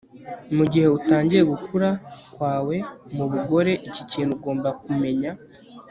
Mugihe utangiye gukura kwawe mubugore iki kintu ugomba kumenya